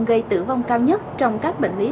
gây tử vong cao nhất trong các bệnh lý tim mạch